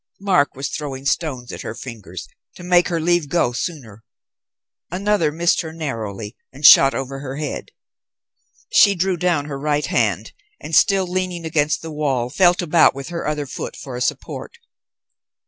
Mark was throwing stones at her fingers to make her leave go sooner. Another missed her narrowly, and shot over her head. She drew down her right hand, and still leaning against the wall felt about with her other foot for a support.